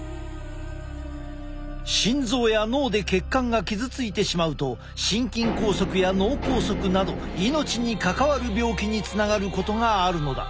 心臓や脳で血管が傷ついてしまうと心筋梗塞や脳梗塞など命に関わる病気につながることがあるのだ。